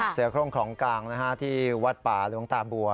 เสือโครงของกลางที่วัดป่าหลวงตาบัว